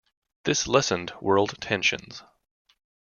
This lessened world tensions.